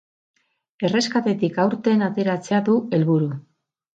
Erreskatetik aurten ateratzea du helburu.